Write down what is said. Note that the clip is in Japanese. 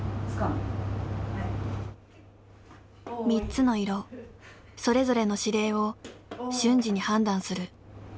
３つの色それぞれの指令を瞬時に判断する。